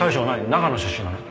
長野出身なの？